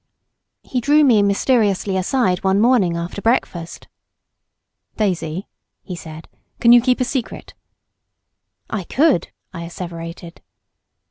He drew me mysteriously aside one morning after breakfast. "Daisy," he said, "can you keep a secret?" I could, I asseverated.